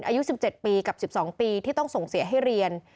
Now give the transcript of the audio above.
อายุสิบเจ็ดปีกับสิบสองปีที่ต้องส่งเสียให้เรียน